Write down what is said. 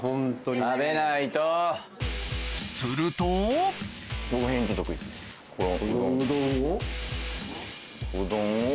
するとうどんを？